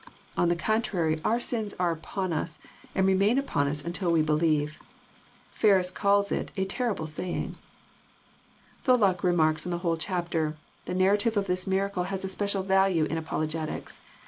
(On the contrary our sins are upon us, and remain upon us until we believe. Eerus calls It " a terrible saying." — Tholuck remarks on the whole chapter :" The narrative of this miracle has a special value in apologetics.